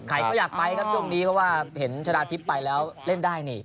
ใครก็อยากไปครับช่วงนี้เพราะว่าเห็นชนะทิพย์ไปแล้วเล่นได้นี่